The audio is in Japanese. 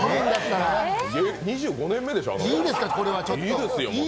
２５年目でしょ、あなた。